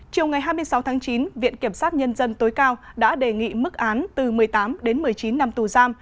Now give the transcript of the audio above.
chiều ngày hai mươi sáu tháng chín viện kiểm sát nhân dân tối cao đã đề nghị mức án từ một mươi tám đến một mươi chín năm tù giam